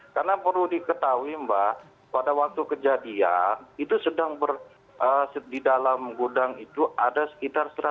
karena perlu diketahui mbak pada waktu kejadian itu sedang ber di dalam gudang itu ada sekitar seratus orang ya